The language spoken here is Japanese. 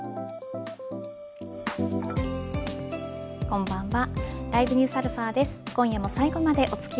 こんばんは。